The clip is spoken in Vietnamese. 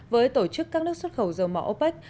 với tổ chức các nước xuất khẩu dầu mỏ opec